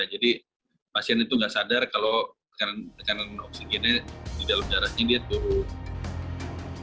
jadi pasien itu nggak sadar kalau tekanan oksigennya di dalam darahnya dia tuh